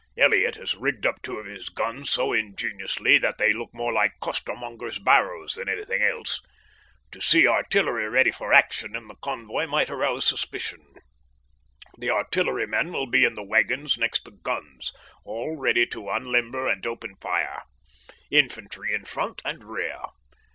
Elliott has rigged up two of his guns so ingeniously that they look more like costermongers' barrows than anything else. To see artillery ready for action in the convoy might arouse suspicion. The artillerymen will be in the waggons next the guns, all ready to unlimber and open fire. Infantry in front and rear.